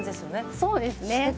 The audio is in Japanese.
そうですね